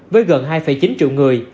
với gần hai chín triệu người